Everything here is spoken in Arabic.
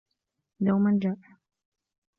دومًا جائع.